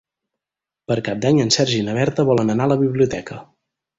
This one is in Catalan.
Per Cap d'Any en Sergi i na Berta volen anar a la biblioteca.